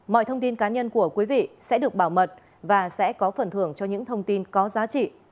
mọi thông tin cá nhân của quý vị sẽ được bảo mật và sẽ có phần thưởng cho những thông tin có giá trị